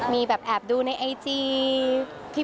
มีแบบแอบดูในไอจี